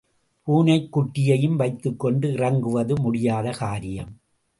பூனைக் குட்டியையும், வைத்துக் கொண்டு இறங்குவது முடியாத காரியம்.